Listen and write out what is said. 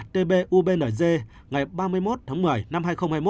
năm trăm tám mươi ba tb ubnd ngày ba mươi một tháng một mươi năm hai nghìn hai mươi một